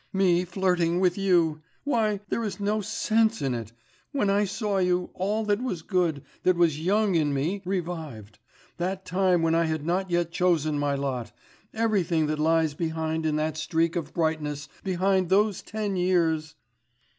Me flirting with you! Why, there is no sense in it.... When I saw you, all that was good, that was young in me, revived ... that time when I had not yet chosen my lot, everything that lies behind in that streak of brightness behind those ten years....